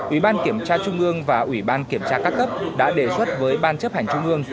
ủy ban kiểm tra trung ương và ủy ban kiểm tra các cấp đã đề xuất với ban chấp hành trung ương